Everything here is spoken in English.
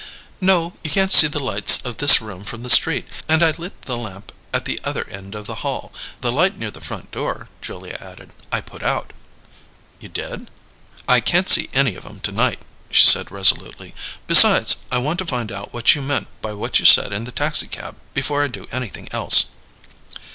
"No, you can't see the lights of this room from the street, and I lit the lamp at the other end of the hall. The light near the front door," Julia added, "I put out." "You did?" "I can't see any of 'em to night," she said resolutely. "Besides, I want to find out what you meant by what you said in the taxicab before I do anything else."